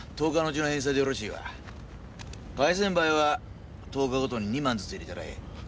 返せん場合は１０日ごとに２万ずつ入れたらええ。